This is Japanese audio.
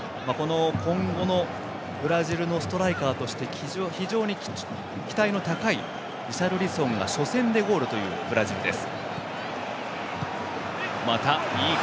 今後のブラジルのストライカーとして非常に期待の高いリシャルリソンが初戦でゴールというブラジルです。